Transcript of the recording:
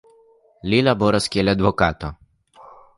Li laboras kiel advokato.